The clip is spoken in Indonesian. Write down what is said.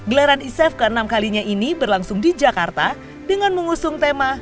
gelaran isef ke enam kalinya ini berlangsung di jakarta dengan mengusung tema